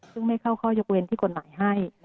ซึ่งไม่เข้าข้อยกเว้นที่กฎหมายให้